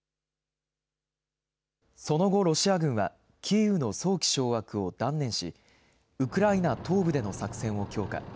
その後、ロシア軍はキーウの早期掌握を断念しウクライナ東部での作戦を強化。